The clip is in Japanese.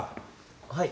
はい。